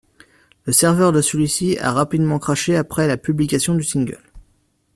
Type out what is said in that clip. Le serveur de celui-ci a rapidement crashé après la publication du single.